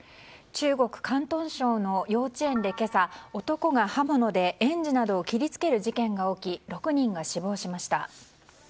中国・広東省の幼稚園で、今朝男が刃物で園児などを切り付ける事件が起き６人が死亡しました。